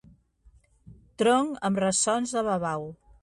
Tronc amb ressons de babau.